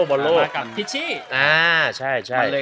พิชชี้